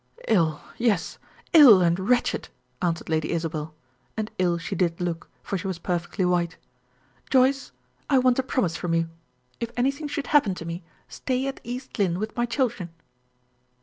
"Ill! Yes; ill and wretched," answered Lady Isabel; and ill she did look, for she was perfectly white. "Joyce, I want a promise from you. If anything should happen to me, stay at East Lynne with my children."